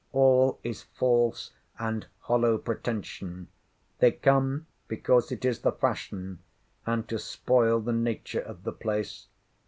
All is false and hollow pretention. They come, because it is the fashion, and to spoil the nature of the place.